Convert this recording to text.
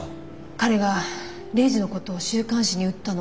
彼がレイジのことを週刊誌に売ったの。